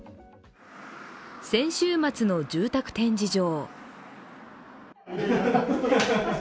先週末の住宅展示場。